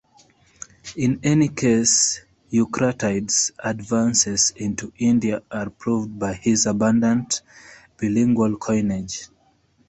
In any case, Eucratides' advances into India are proved by his abundant bilingual coinage.